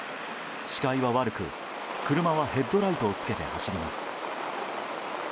視界は悪く車はヘッドライトをつけて走ります。